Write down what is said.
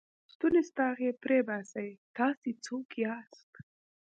ستونی ستغ یې پرې وباسئ، تاسې څوک یاست؟